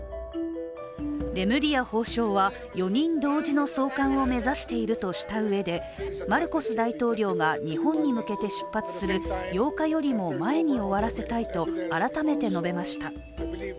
レムリヤ法務相は４人同時の送還を目指しているとしたうえで、マルコス大統領が日本に向けて出発する８日よりも前に終わらせたいと改めて述べました。